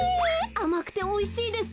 あまくておいしいです。